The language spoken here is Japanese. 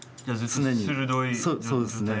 常にそうですね。